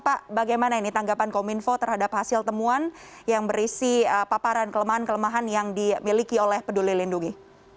pak bagaimana ini tanggapan kominfo terhadap hasil temuan yang berisi paparan kelemahan kelemahan yang dimiliki oleh peduli lindungi